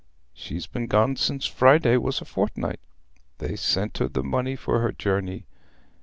She's been gone sin' Friday was a fortnight: they sent her the money for her journey.